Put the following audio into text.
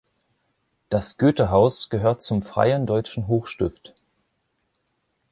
Das Goethe-Haus gehört zum Freien Deutschen Hochstift.